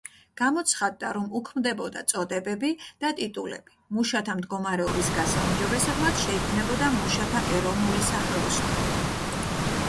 გამოცხადდა, რომ უქმდებოდა წოდებები და ტიტულები, მუშათა მდგომარეობის გასაუმჯობესებლად შეიქმნებოდა მუშათა ეროვნული სახელოსნოები.